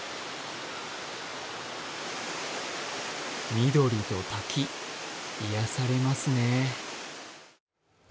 緑と滝、癒やされますね。